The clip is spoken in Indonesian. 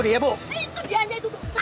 b rather lagu berbeda